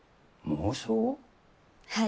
はい。